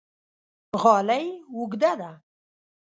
غالۍ اوږده ده